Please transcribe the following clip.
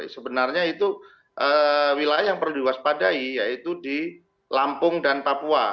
sebenarnya itu wilayah yang perlu diwaspadai yaitu di lampung dan papua